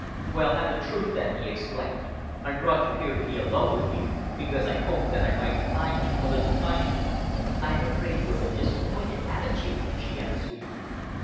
"Well, have the truth, then!" he exclaimed. "I brought you here to be alone with you, because I hoped that I might find you a little kinder." "I am afraid you have been disappointed, haven't you?" she asked sweetly.